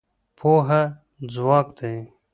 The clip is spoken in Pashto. پوهه ځواک دی.